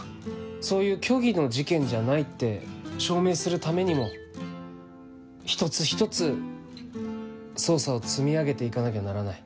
そういう虚偽の事件じゃないって証明するためにも一つ一つ捜査を積み上げて行かなきゃならない。